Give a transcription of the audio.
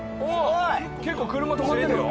結構車止まってるよ。